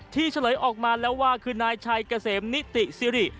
เฉลยออกมาแล้วว่าคือนายชัยเกษมนิติสิริ